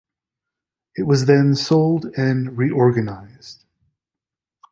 It was then sold and re-organized.